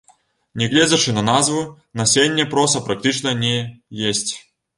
Нягледзячы на назву, насенне проса практычна не есць.